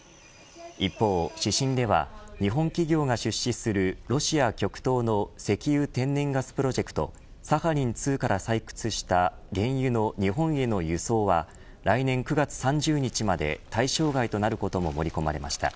一方、指針では日本企業が出資するロシア極東の石油・天然ガスプロジェクトサハリン２から採掘した原油の日本への輸送は来年９月３０日まで対象外となることも盛り込まれました。